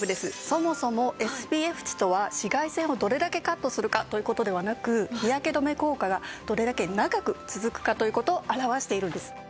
そもそもＳＰＦ値とは紫外線をどれだけカットするかという事ではなく日焼け止め効果がどれだけ長く続くかという事を表しているんです。